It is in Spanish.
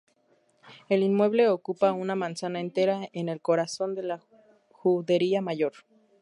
El inmueble ocupa una manzana entera en el corazón de la judería mayor.